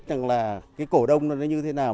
cái cổ đông nó như thế nào